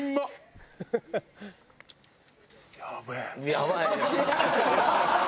やばい？